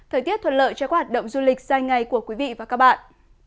thời tiết thuận lợi cho các hoạt động du lịch dài ngày của quý vị và các bạn